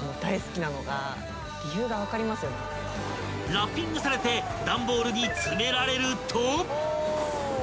［ラッピングされて段ボールに詰められると］